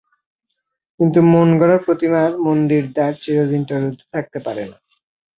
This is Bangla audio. কিন্তু মনগড়া প্রতিমার মন্দিরদ্বার চিরদিন তো রুদ্ধ থাকতে পারে না।